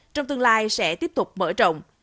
trong tương lai sẽ tiếp tục mở rộng